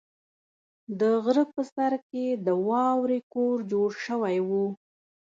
د غره په سر کې د واورې کور جوړ شوی و.